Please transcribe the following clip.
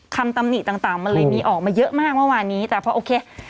คำตำนี่ต่างต่างมันเลยมีออกมาเยอะมากเมื่อวานนี้แต่เพราะโอเค